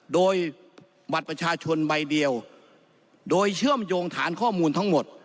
โดยบัตรประชาชนใบเดียวโดยเชื่อมโยงฐานข้อมูลทั้งหมด